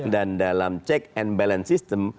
dan dalam check and balance system